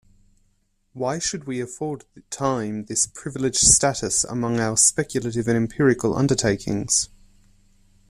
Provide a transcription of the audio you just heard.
Why should we afford time this privileged status among our speculative and empirical undertakings?